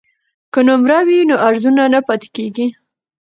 که نمره وي نو ارزونه نه پاتې کیږي.